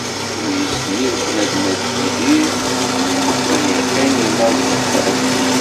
Ur yezmir bnadem ad yidir ma yeqqim i laẓ d fad